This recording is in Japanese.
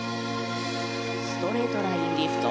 ストレートラインリフト。